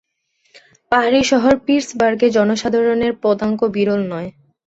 পাহাড়ি শহর পিটসবার্গে জনসাধারণের পদাঙ্ক বিরল নয়।